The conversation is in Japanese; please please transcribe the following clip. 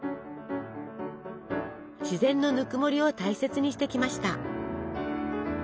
自然のぬくもりを大切にしてきました。